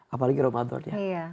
apalagi ramadan ya